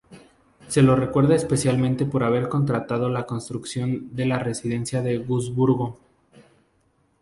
Se lo recuerda especialmente por haber contratado la construcción de la residencia de Wurzburgo.